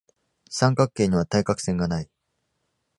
三角形には対角線がない。